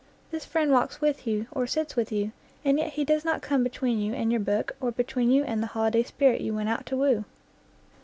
This friend walks with you, or sits with you, and yet he does not come between you and your book, or between you and the holiday spirit you went out to woo.